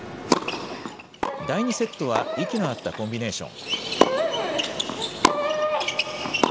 第２セットは息の合ったコンビネーション。